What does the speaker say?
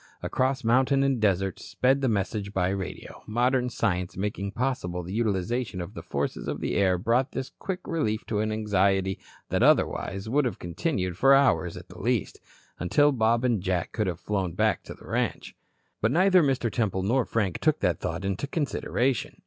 Across mountain and desert sped the message by radio. Modern science making possible the utilization of the forces of the air brought this quick relief to an anxiety that otherwise would have continued for hours at the least, until Bob and Jack could have flown back to the ranch. But neither Mr. Temple nor Frank took that thought into consideration.